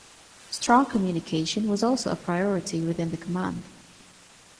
Strong communication was also a priority within the command.